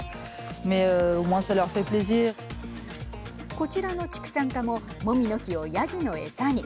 こちらの畜産家ももみの木をやぎの餌に。